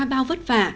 bao vất vả